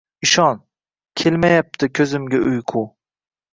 Ishon, kelmayapti ko’zimga uyqu.